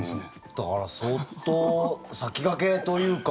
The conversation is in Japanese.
だから相当、先駆けというか。